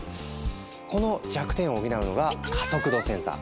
この弱点を補うのが加速度センサー。